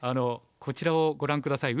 こちらをご覧下さい。